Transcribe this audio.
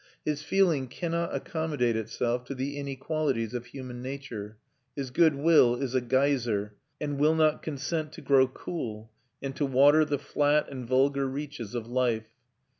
His feeling cannot accommodate itself to the inequalities of human nature: his good will is a geyser, and will not consent to grow cool, and to water the flat and vulgar reaches of life.